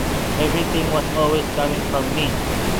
Everything was always coming from me.